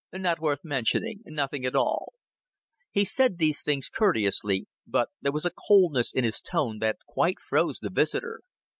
"Not worth mentioning. Nothing at all." He said these things courteously, but there was a coldness in his tone that quite froze the visitor.